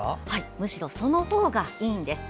むしろそのほうがいいんです。